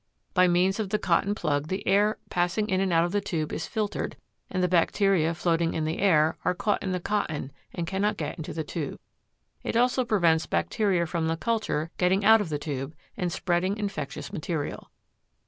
By means of the cotton plug the air passing in and out of the tube is filtered and the bacteria floating in the air are caught in the cotton and cannot get into the tube. It also prevents bacteria from the culture getting out of the tube and spreading infectious material.